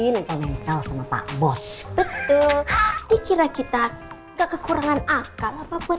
nengkel nengkel sama pak bos betul dikira kita gak kekurangan akal apa buat